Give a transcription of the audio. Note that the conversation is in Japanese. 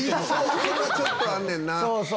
それちょっとあんねんな。